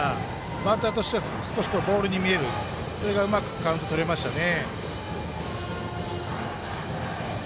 バッターとしては少しボールに見える、それがうまくカウントとれましたね。